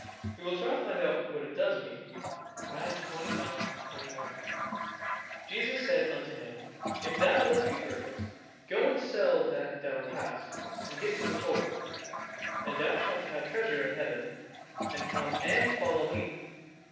We will try to find out what it does mean (Matt. xix. 21) "Jesus said unto him, If thou wilt be perfect, go and sell that thou hast, and give to the poor, and thou shalt have treasure in Heaven: and come and follow Me."